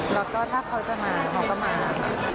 แล้วก็ถ้าเขาจะมาเขาก็มา